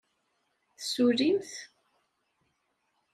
Tessullimt?